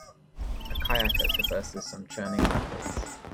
A kayaker traverses some churning rapids.